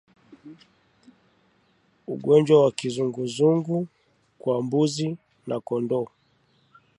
Ugonjwa wa kizunguzungu kwa mbuzi na kondoo